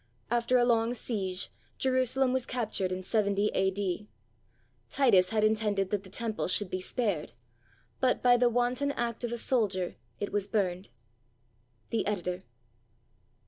After a long siege, Jerusalem was cap tured in 70 A.D. Titus had intended that the Temple should be spared; but by the wanton act of a soldier it was burned. The Editor.